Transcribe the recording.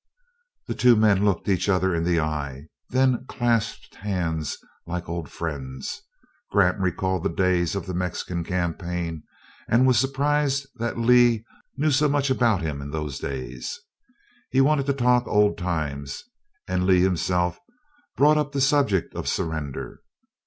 The two men looked each other in the eye, then clasped hands like old friends. Grant recalled the days of the Mexican campaign, and was surprised that Lee knew so much about him in those days. He wanted to talk old times, and Lee himself brought up the subject of surrender.